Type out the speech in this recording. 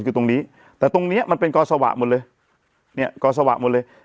คือตรงนี้แต่ตรงเนี้ยมันเป็นกอสวะหมดเลยเนี่ยกอสวะหมดเลย